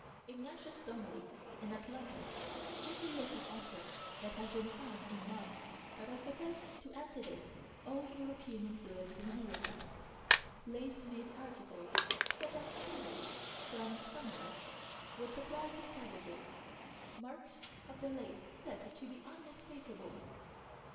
Ignatius Donnelly, in Atlantis, gives a list of objects that have been found in mounds that are supposed to antedate all European influence in America: lathe made articles, such as traders from somewhere would supply to savages marks of the lathe said to be unmistakable.